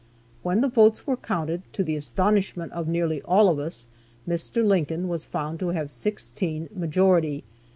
When the votes were counted, to the astonishment of nearly all of us, Mr. Lincoln was found to have sixteen majority.